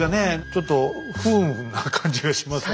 ちょっと不運な感じがします。